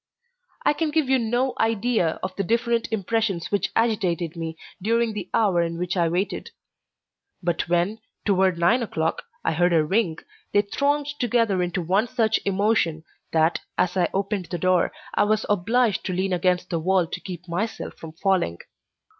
I can give you no idea of the different impressions which agitated me during the hour in which I waited; but when, toward nine o'clock, I heard a ring, they thronged together into one such emotion, that, as I opened the door, I was obliged to lean against the wall to keep myself from falling.